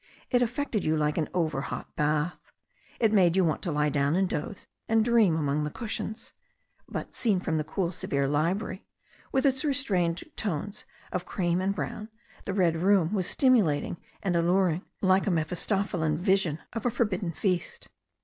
It affected you like an overhot bath. It made you want to lie down and doze and dream among the cushions. But, seen from the cool, severe library, with its restrained tones of cream and brown, the red room was stimulating and alluring, like a Mephisto phelian vision of a forbidden feast.